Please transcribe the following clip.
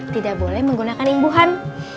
tidak boleh menggunakan imbuhan